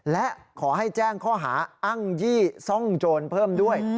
และขอให้แจ้งข้อหาอ้างยี่ซ่องโจรเพิ่มด้วย